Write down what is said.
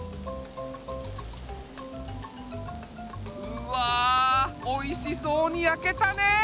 うわおいしそうにやけたね！